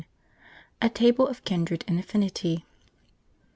A Table of Kindred and Affinity.